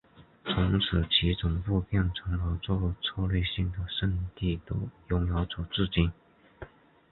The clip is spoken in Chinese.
从此其总部变成了这策略性的圣地的拥有者至今。